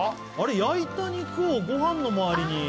焼いた肉をごはんの周りに。